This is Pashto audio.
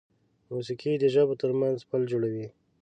موسیقي د ژبو تر منځ پل جوړوي.